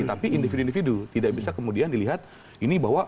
tapi individu individu tidak bisa kemudian dilihat ini bahwa